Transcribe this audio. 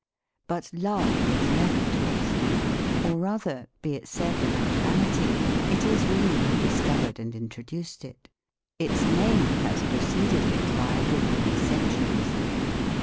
But love is left to us. Or rather, be it said without vanity, it is we who discovered and introduced it. Its name has preceded it by a good many centuries.